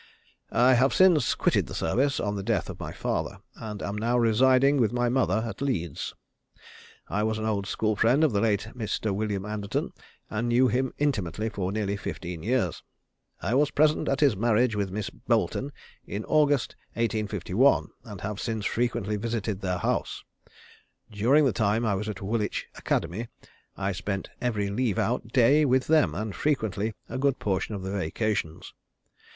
I have since quitted the service, on the death of my father, and am now residing with my mother at Leeds. I was an old school friend of the late Mr. William Anderton, and knew him intimately for nearly fifteen years. I was present at his marriage with Miss Boleton, in August, 1851, and have since frequently visited at their house. During the time I was at Woolwich Academy, I spent every leave out day with them, and frequently a good portion of the vacations.